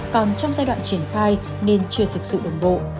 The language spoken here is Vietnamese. còn trong giai đoạn triển khai nên chưa thực sự đồng bộ